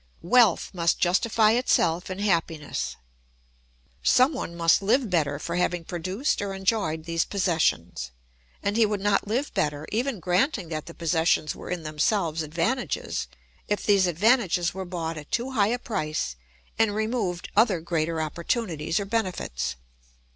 Wealth must justify itself in happiness. Someone must live better for having produced or enjoyed these possessions. And he would not live better, even granting that the possessions were in themselves advantages, if these advantages were bought at too high a price and removed other greater opportunities or benefits.